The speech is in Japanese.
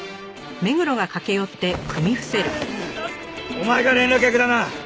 お前が連絡役だな！